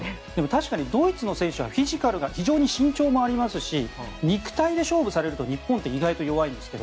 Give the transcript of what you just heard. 確かにドイツの選手はフィジカルが非常に身長もありますし肉体で勝負されると日本って意外と弱いんですが